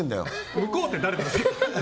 向こうって誰ですか。